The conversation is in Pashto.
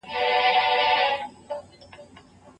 روښانه فکر آرامتیا نه دروي.